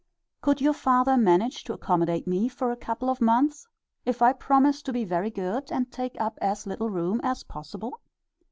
Could your father manage to accommodate me for a couple of months, if I promise to be very good and take up as little room as possible?